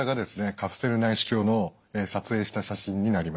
カプセル内視鏡の撮影した写真になります。